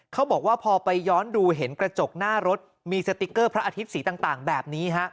เขาบอกว่าพอไปย้อนดูเห็นกระจกหน้ารถมีสติ๊กเกอร์พระอาทิตย์สีต่างแบบนี้ฮะ